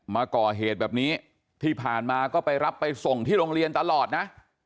มาก่อเหตุแบบนี้ที่ผ่านมาก็ไปรับไปส่งที่โรงเรียนตลอดนะ